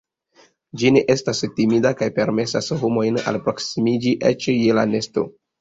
Ĝi ne estas timida kaj permesas homojn alproksimiĝi eĉ je la nesto.